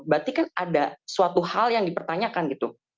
berarti kan ada suatu hal yang dipertanyakan gitu